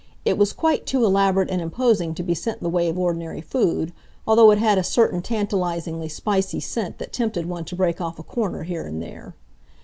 It was quite too elaborate and imposing to be sent the way of ordinary food, although it had a certain tantalizingly spicy scent that tempted one to break off a corner here and there.